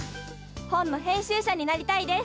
本の編集者になりたいです。